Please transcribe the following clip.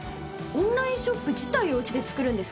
オンラインショップ自体をうちで作るんですか？